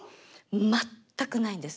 全くないんです。